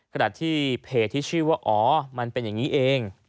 ขณะที่เพจที่ชื่อว่าอ๋อมันเป็นอย่างนี้เอง